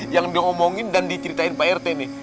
yang diomongin dan diceritain pak rt nih